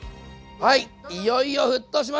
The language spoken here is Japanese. はい！